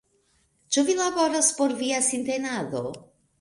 Ĉu vi laboras por via sintenado?